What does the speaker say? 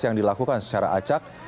yang dilakukan secara acak